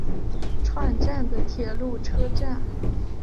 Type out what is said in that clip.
串站的铁路车站。